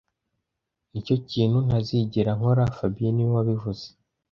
Nicyo kintu ntazigera nkora fabien niwe wabivuze